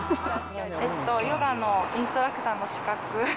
ヨガのインストラクターの資格。